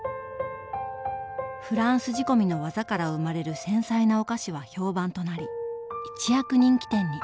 フランス仕込みの技から生まれる繊細なお菓子は評判となり一躍人気店に。